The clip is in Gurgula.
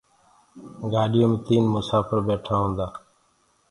گآڏيو مي تيٚن مسآڦر ٻيٺآ هونٚدآ